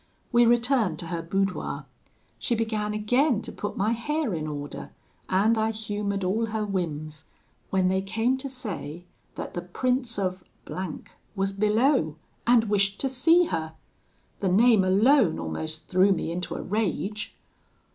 "We returned to her boudoir. She began again to put my hair in order, and I humoured all her whims; when they came to say that the Prince of was below, and wished to see her. The name alone almost threw me into a rage.